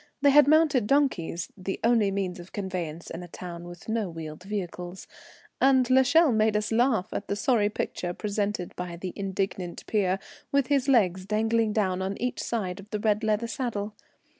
They had mounted donkeys, the only means of conveyance in a town with no wheeled vehicles; and l'Echelle made us laugh at the sorry picture presented by the indignant peer, with his legs dangling down on each side of the red leather saddle.